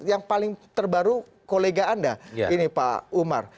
yang paling terbaru kolega anda ini pak umar